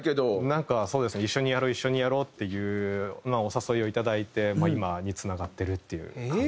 なんかそうですね一緒にやろう一緒にやろうっていうお誘いをいただいて今につながってるっていう感じですね。